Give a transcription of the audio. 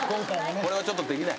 これはちょっとできない。